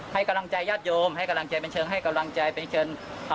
ให้กำลังใจญาติโยมให้กำลังใจบันเทิงให้กำลังใจเป็นเชิญ